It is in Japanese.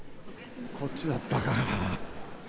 こっちだったか。